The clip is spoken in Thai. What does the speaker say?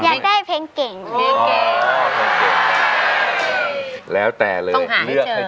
อยากได้เพลงเก่ง